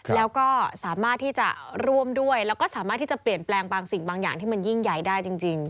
แล้วก็สามารถที่จะร่วมด้วยแล้วก็สามารถที่จะเปลี่ยนแปลงบางสิ่งบางอย่างที่มันยิ่งใหญ่ได้จริง